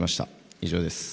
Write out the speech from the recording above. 以上です。